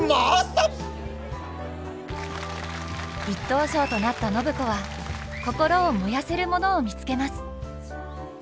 １等賞となった暢子は心を燃やせるものを見つけます。